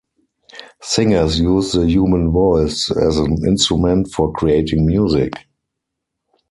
Singers use the human voice as an instrument for creating music.